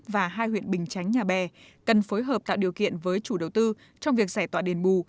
và hai huyện bình chánh nhà bè cần phối hợp tạo điều kiện với chủ đầu tư trong việc giải tỏa đền bù